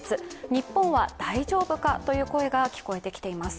日本は大丈夫かという声が聞こえてきています。